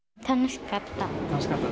楽しかった。